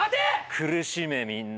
苦しめみんな。